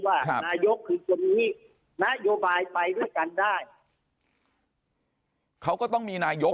ว่านายกคือคนนี้นโยบายไปด้วยกันได้เขาก็ต้องมีนายก